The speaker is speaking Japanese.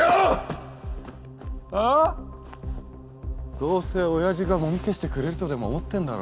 どうせ親父がもみ消してくれるとでも思ってんだろ？